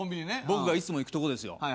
僕がいつも行くとこですよ。